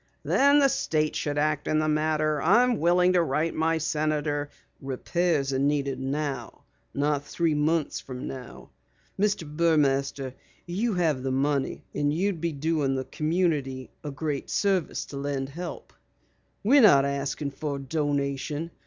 "Then the State should act in the matter. I'm willing to write my senator " "Repairs are needed now, not three months later. Mr. Burmaster, you have the money and you'd be doing the community a great service to lend help. We're not asking for a donation.